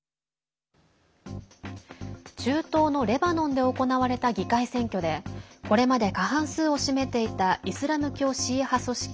中東のレバノンで行われた議会選挙でこれまで過半数を占めていたイスラム教シーア派組織